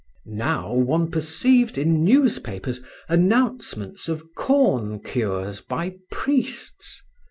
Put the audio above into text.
Now one perceived, in newspapers, announcements of corn cures by priests.